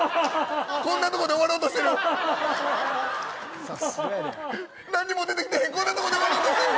こんなところで終わろうとしてる。